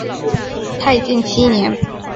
太建七年。